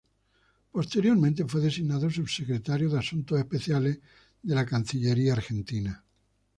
Posteriormente fue designado Subsecretario de Asuntos Especiales de la Cancillería Argentina.